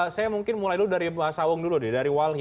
saya mungkin mulai dulu dari mas sawung dulu deh dari walhi